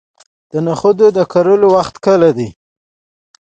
د نخودو د کرلو وخت کله دی؟